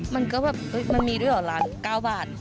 มันก็แบบมันมีด้วยเหรอล้าน๙บาท